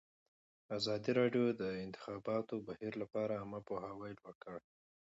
ازادي راډیو د د انتخاباتو بهیر لپاره عامه پوهاوي لوړ کړی.